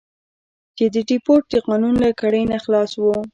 چې د دیپورت د قانون له کړۍ نه خلاص وو.